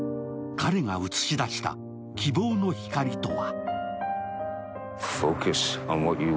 彼が映し出した希望の光とは。